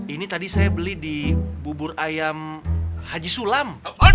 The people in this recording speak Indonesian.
ini tadi saya beli di bubur ayam haji sulam